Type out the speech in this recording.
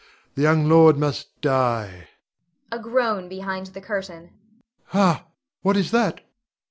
The young lord must die [a groan behind the curtain]. Ha! what is that?